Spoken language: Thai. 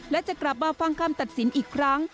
และจะกลับมาฟังคำตัดสินอีกครั้ง